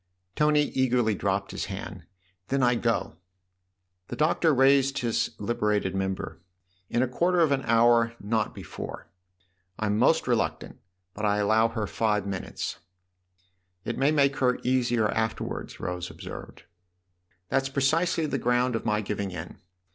Tony eagerly dropped his hand. "Then I go!" " The Doctor raised his liberated member. " In a quarter of an hour not before. I'm most reluctant, but I allow her five minutes." " It may make her easier afterwards," Rose observed. "That's precisely the ground of my giving in.